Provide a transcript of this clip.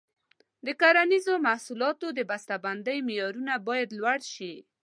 د کرنیزو محصولاتو د بسته بندۍ معیارونه باید لوړ شي.